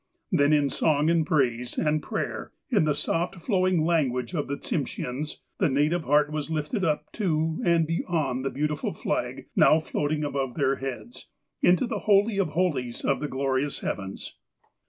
Then, in song and praise, and prayer, in the soft, flowing language of the Tsimsheans, the native heart was lifted ui^ to and beyond the beautiful flag now floating above their heads, into the holy of holies of the glorious heavens.